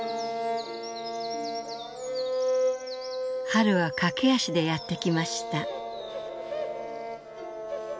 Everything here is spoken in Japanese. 「春は駆け足でやってきました」。